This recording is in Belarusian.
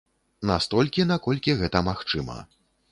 Настолькі, наколькі гэта магчыма.